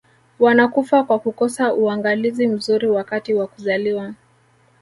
wanakufa kwa kukosa uangalizi mzuri wakati wa kuzaliwa